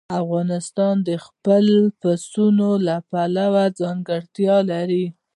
افغانستان د خپلو پسونو له پلوه ځانګړتیاوې لري.